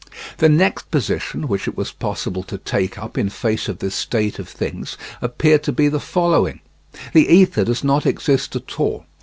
The next position which it was possible to take up in face of this state of things appeared to be the following. The ether does not exist at all.